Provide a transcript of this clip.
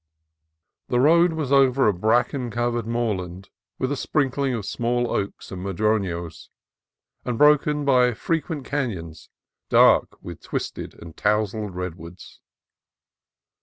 The road was over a bracken covered moorland with a sprinkling of small oaks and madronos, and broken by frequent canons dark with twisted and tousled redwoods.